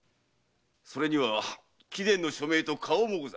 それには貴殿の署名と花押もござる。